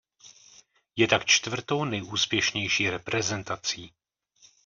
Je tak čtvrtou nejúspěšnější reprezentací.